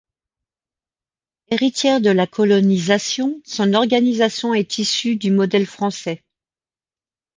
Héritière de la colonisation, son organisation est issue du modèle français.